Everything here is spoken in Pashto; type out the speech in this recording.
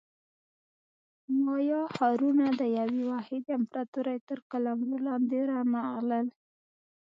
مایا ښارونه د یوې واحدې امپراتورۍ تر قلمرو لاندې رانغلل.